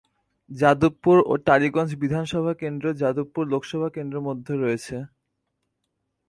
যাদবপুর ও টালিগঞ্জ বিধানসভা কেন্দ্র যাদবপুর লোকসভা কেন্দ্র মধ্যে রয়েছে।